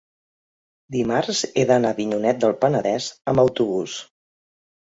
dimarts he d'anar a Avinyonet del Penedès amb autobús.